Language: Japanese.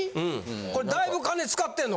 これだいぶ金使ってるの？